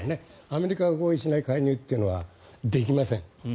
アメリカが合意しない介入というのはできません。